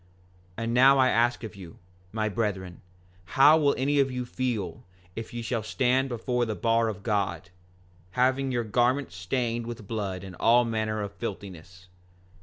5:22 And now I ask of you, my brethren, how will any of you feel, if ye shall stand before the bar of God, having your garments stained with blood and all manner of filthiness?